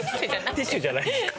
ティッシュじゃないんですか。